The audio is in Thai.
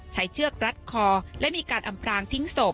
เชือกรัดคอและมีการอำพรางทิ้งศพ